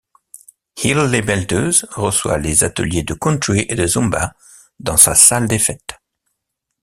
Isles-les-Meldeuses reçoit les ateliers de country et de zumba dans sa salle des fêtes.